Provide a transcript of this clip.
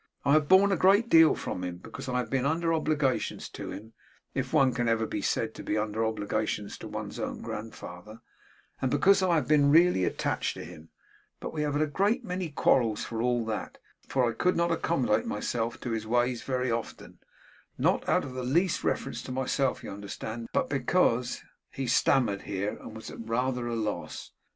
I have borne a great deal from him, because I have been under obligations to him (if one can ever be said to be under obligations to one's own grandfather), and because I have been really attached to him; but we have had a great many quarrels for all that, for I could not accommodate myself to his ways very often not out of the least reference to myself, you understand, but because ' he stammered here, and was rather at a loss.